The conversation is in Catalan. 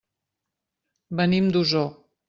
Venim d'Osor.